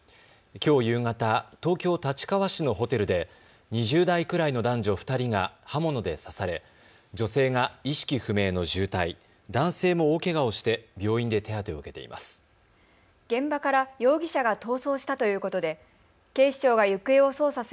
きょう夕方、東京立川市のホテルで２０代くらいの男女２人が刃物で刺され女性が意識不明の重体、男性も大けがをして病院で手当てを受けています。